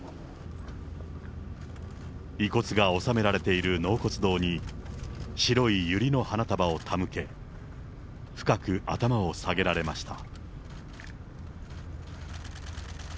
遺骨が納められている納骨堂に、白いゆりの花束を手向け、深く頭を下げられました。